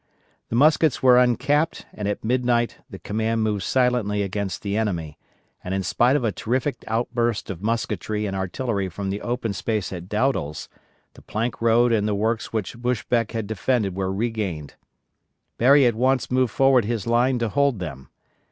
The muskets were uncapped and at midnight the command moved silently against the enemy, and in spite of a terrific outburst of musketry and artillery from the open space at Dowdall's, the Plank Road and the works which Buschbeck had defended were regained. Berry at once moved forward his line to hold them.